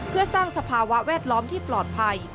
เพื่อสร้างสภาวะแวดล้อมที่ปลอดภัย